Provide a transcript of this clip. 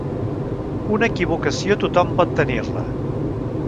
Una equivocació tot-hom pot tenir-la